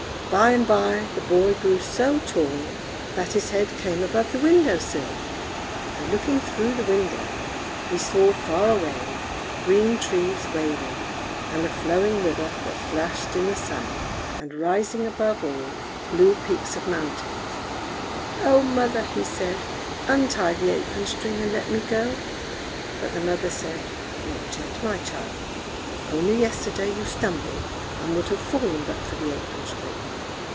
By and by the boy grew so tall that his head came above the window sill; and looking through the window, he saw far away green trees waving, and a flowing river that flashed in the sun, and rising above all, blue peaks of mountains. "Oh, mother," he said; "untie the apron string and let me go!" But the mother said, "Not yet, my child! only yesterday you stumbled, and would have fallen but for the apron string.